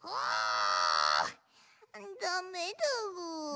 ダメだぐ。